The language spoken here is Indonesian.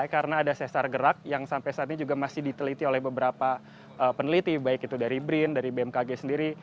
karena ada sesar gerak yang sampai saat ini juga masih diteliti oleh beberapa peneliti baik itu dari brin dari bmkg sendiri